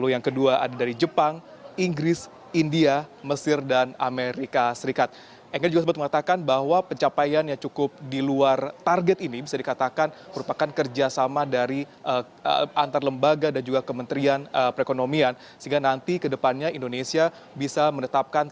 yang kedua dari indonesia dan yang ketiga dari indonesia